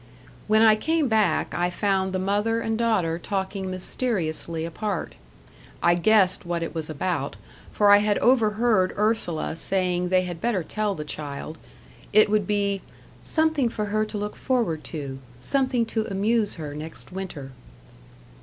When I came back, I found the mother and daughter talking mysteriously apart. I guessed what it was about, for I had overheard Ursula saying they had better tell the child it would be "something for her to look forward to something to amuse her next winter."